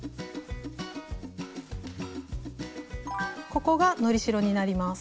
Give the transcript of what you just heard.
ここがのり代になります。